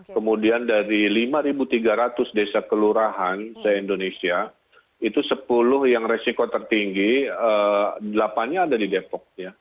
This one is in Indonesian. kemudian dari lima tiga ratus desa kelurahan se indonesia itu sepuluh yang resiko tertinggi delapan nya ada di depok